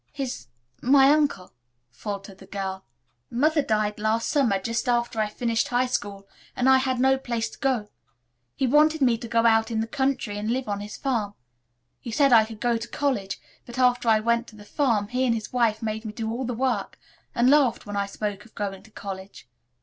"He's my uncle," faltered the girl. "Mother died last summer just after I finished high school, and I had no place to go. He wanted me to go out in the country and live on his farm. He said I could go to college, but after I went to the farm he and his wife made me do all the work, and laughed when I spoke of going to college.